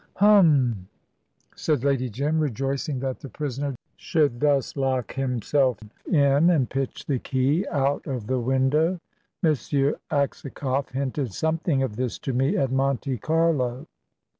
"Hum!" said Lady Jim, rejoicing that the prisoner should thus lock himself in and pitch the key out of the window. "M. Aksakoff hinted something of this to me at Monte Carlo."